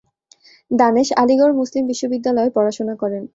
দানেশ আলিগড় মুসলিম বিশ্ববিদ্যালয়ে পড়াশোনা করেন।